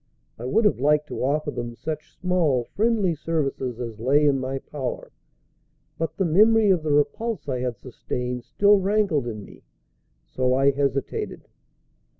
I would have liked to offer them such small, friendly services as lay in my power; but the memory of the repulse I had sustained still rankled in me. So I hesitated.